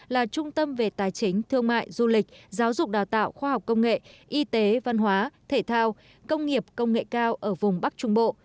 là trung tâm về tài chính thương mại du lịch giáo dục đào tạo khoa học công nghệ y tế văn hóa thể thao công nghiệp công nghệ cao ở vùng bắc trung bộ